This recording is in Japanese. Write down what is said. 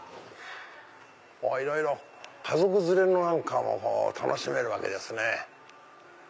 いろいろ家族連れなんかも楽しめるわけですね。